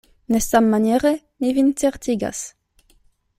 Ne sammaniere, mi vin certigas.